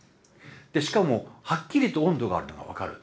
しかもはっきりと温度があるってことが分かる。